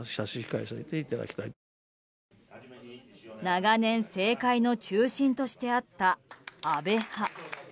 長年、政界の中心としてあった安倍派。